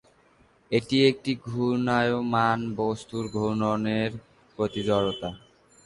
এটি একটি ঘূর্ণায়মান বস্তুর ঘূর্ণনের প্রতি জড়তা।